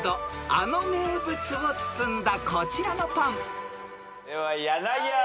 ［あの名物を包んだこちらのパン］では柳原。